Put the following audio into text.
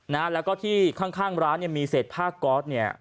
นะฮะแล้วก็ที่ข้างข้างร้านเนี่ยมีเศษผ้าก๊อตเนี่ย